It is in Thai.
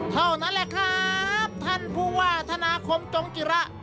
เท่านั้นแหละครับท่านผู้ว่าธนาคมจงจิระ